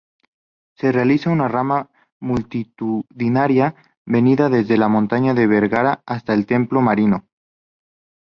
Se realiza una rama multitudinaria, venida desde Montaña de Vergara hasta el Templo Mariano.